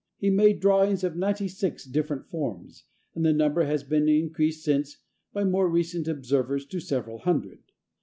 He made drawings of ninety six different forms, and the number has been increased since, by more recent observers, to several hundred.